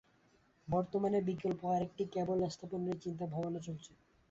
বর্তমানে বিকল্প আরেকটি ক্যাবল স্থাপনের চিন্তাভাবনা চলছে।